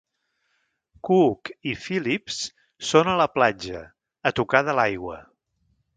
Cook i Philips són a la platja, a tocar de l'aigua.